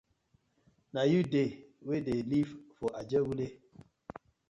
Na yu dey wey dey live for ajegunle.